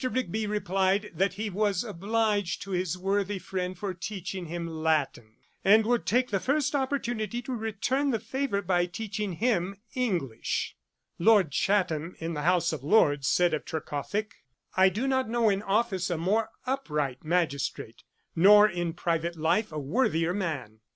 Rigby replied, that he was obliged to his worthy friend for teaching him Latin, and would take the first opportunity to return the favour by teaching him English.' Southey's Cowper, iii. 317. Lord Chatham, in the House of Lords, said of Trecothick: 'I do not know in office a more upright magistrate, nor in private life a worthier man.'